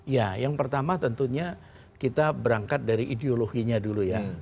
ya yang pertama tentunya kita berangkat dari ideologinya dulu ya